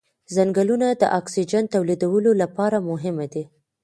ځنګلونه د اکسیجن تولیدولو لپاره مهم دي